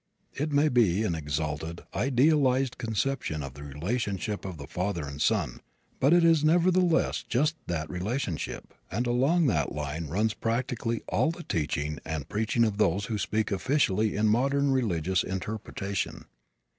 It may be an exalted, idealized conception of the relationship of father and son but it is nevertheless just that relationship, and along that line runs practically all the teaching and preaching of those who speak officially in modern religious interpretation.